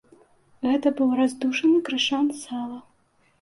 Гэта быў раздушаны крышан сала.